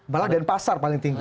bahkan pasar paling tinggi